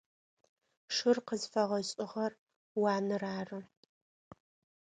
Шыр къызфэгъэшӏыгъэр уанэр ары.